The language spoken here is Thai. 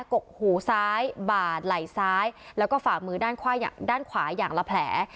กกหูซ้ายบาดไหลซ้ายแล้วก็ฝ่ามือด้านขวายอย่างด้านขวาอย่างละแผล